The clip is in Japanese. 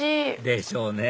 でしょうね